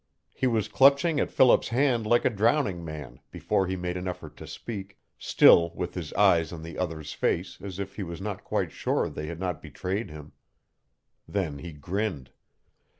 He was clutching at Philip's hand like a drowning man before he made an effort to speak, still with his eyes on the other's face as if he was not quite sure they had not betrayed him. Then he grinned.